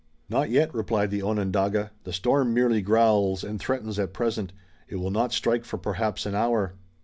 "Not yet," replied the Onondaga. "The storm merely growls and threatens at present. It will not strike for perhaps an hour."